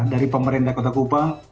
dari pemerintah kota kupang